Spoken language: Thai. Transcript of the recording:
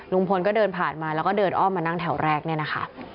ลุงพลก็เดินผ่านมาแล้วก็เดินอ้อมมานั่งแถวแรกเนี่ยนะคะ